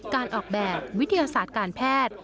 การออกแบบวิทยาศาสตร์การแพทย์